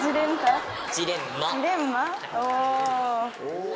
お。